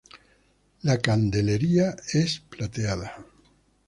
La candelería es plateada.